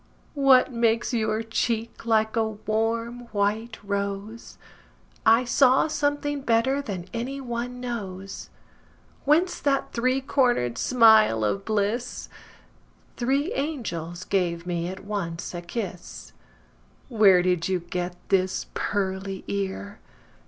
What makes your cheek like a warm white rose?I saw something better than any one knows. Whence that three corner'd smile of bliss? Three angels gave me at once a kiss. Where did you get this pearly ear?